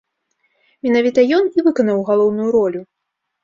Менавіта ён і выканаў галоўную ролю.